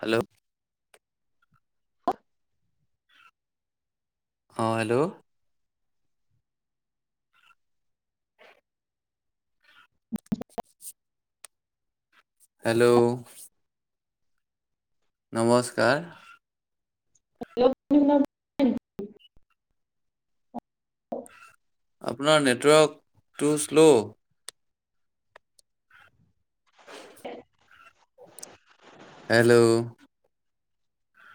Hello অ hello hello. নমস্কাৰ। [unintelligible] আপোনাৰ নেটৱৰ্কটো শ্ল'। [unintelligible] হেল্ল'।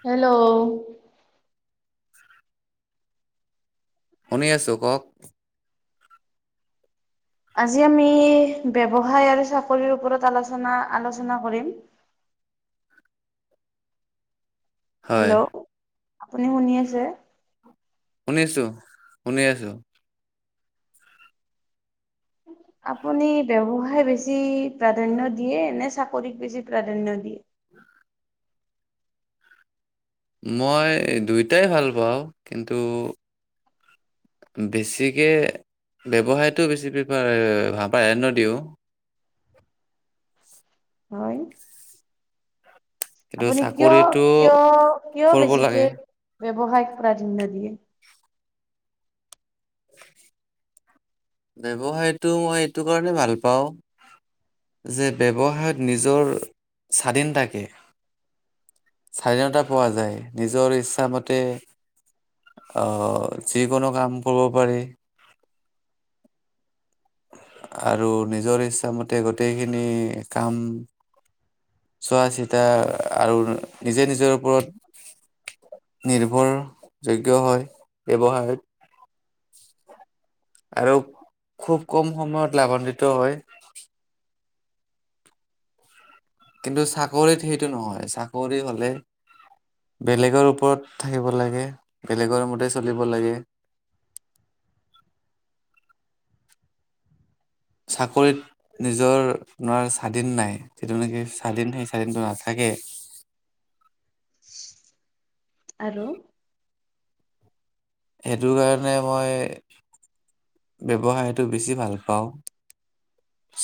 হেল্ল'। শুনি আছোঁ, কওঁক। আজি আমি ব্যৱসায় আৰু চাকৰিৰ ওপৰত আলোচনা, আলোচনা কৰিম। [inaudible] হয় হেল্ল', আপুনি শুনি আছে? শুনিছোঁ, শুনি আছোঁ। আপুনি ব্যৱসায় বেছি প্ৰাধান্য দিয়ে নে চাকৰিক বেছি প্ৰাধান্য দিয়ে? [inaudible] মই দুয়োটাই ভাল পাওঁ। কিন্তু বেছিকে ব্যৱসায়টো বেছি প্ৰিফাৰ এ প্ৰাধান্য দিওঁ। হয়। কিন্তু আপুনি কিয়, চাকৰিটো কিয়, কিয় কৰিব বেছিকে লাগে ব্যৱসায়ক প্ৰাধান্য দিয়ে? [inaudible] ব্যৱসায়টো মই এইটো কাৰণে ভাল পাওঁ যে ব্যৱসায়ত নিজৰ স্বাধীন থাকে। স্বাধীনতা পোৱা যায়। নিজৰ ইচ্ছামতে অ', যিকোনো কাম কৰিব পাৰি। আৰু নিজৰ ইচ্ছামতে গোটেইখিনি কাম চোৱা-চিতা আৰু নিজে নিজৰ ওপৰত নিৰ্ভৰযোগ্য হয় ব্যৱসায়ত। আৰু খুব কম সময়ত লাভাম্বিত হয়। কিন্তু চাকৰিত সেইটো নহয়। চাকৰি হ'লে বেলেগৰ ওপৰত থাকিব লাগে, বেলেগৰ মতে চলিব লাগে। [inaudible] চাকৰিত নিজৰ নোৱাৰ স্বাধীন নাই, যিটো নেকি স্বাধীন সেই স্বাধীনটো নাথাকে। এ আৰু সেইটো কাৰণে মই ব্যৱসায়টো বেছি ভাল পাওঁ।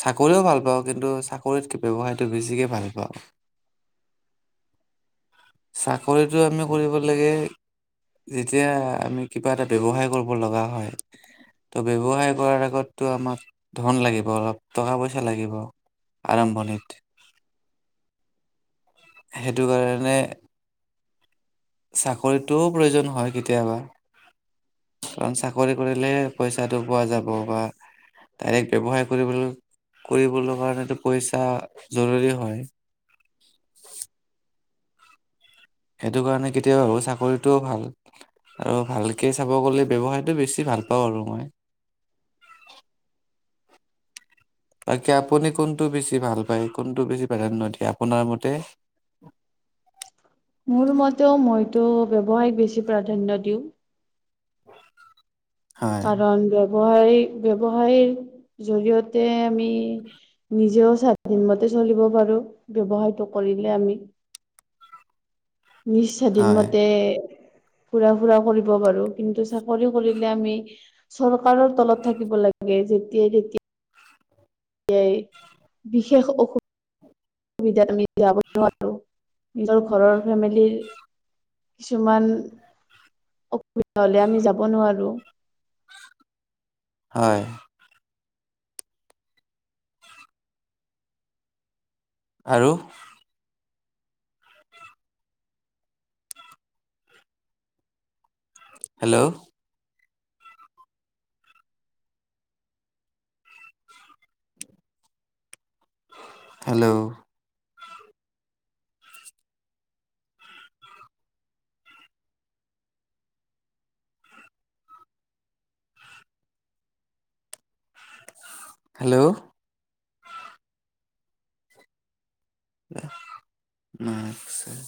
চাকৰিও ভাল পাওঁ, কিন্তু চাকৰিতকে ব্যৱসায়টো বেছিকে ভাল পাওঁ। চাকৰিটো আমি কৰিব লাগে। যেতিয়া আমি কিবা এটা ব্যৱসায় কৰিব লগা হয়। ত' ব্যৱসায় কৰাৰ আগতটো আমাক ধন লাগিব অলপ, টকা-পইচা লাগিব আৰম্ভণিত, সেইটো কাৰণে চাকৰিটোও প্ৰয়োজন হয় কেতিয়াবা। কাৰণ চাকৰি কৰিলে পইচাটো পোৱা যাব বা ডাইৰেক্ট ব্যৱসায় কৰিবলৈও কৰিবলৈ কাৰণেটো পইচা জৰুৰী হয়। সেইটো কাৰণে কেতিয়াবা ভাবোঁ চাকৰিটোও ভাল। আৰু ভালকে চাব গ'লে ব্যৱসায়টো বেছি ভাল পাওঁ আৰু মই। [inaudible] তাকে আপুনি কোনটো বেছি ভাল পায়? কোনটো বেছি প্ৰাধান্য দিয়ে? আপোনাৰ মতে? [inaudible] মোৰ মতেও মইতো ব্যৱসায় বেছি প্ৰাধান্য দিওঁ হয় কাৰণ ব্যৱসায় ব্যৱসায়ীৰ জৰিয়তে আমি নিজেও স্বাধীনমতে [unintelligible] পাৰো ব্যৱসায়টো কৰিলে আমি [inaudible] নিশ স্বাধীন হয় মতে ফুৰা ফুৰা কৰিব পাৰো কিন্তু চাকৰি কৰিলে আমি চৰকাৰৰ তলত থাকিব লাগে যেতিয়াই তেতিয়াই [unintelligible] বিশেষ অসু বিধাত আমি যাব নোৱাৰো নিজৰ ঘৰৰ ফেমিলিৰ কিছুমান [unintelligible] [unintelligible] আমি যাব নোৱাৰো হয় আৰু হেল্ল' হেল্ল' হেল্ল' [inaudible]